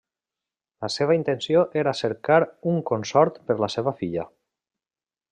La seva intenció era cercar un consort per a la seva filla.